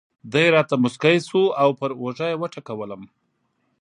دی راته مسکی شو او پر اوږه یې وټکولم.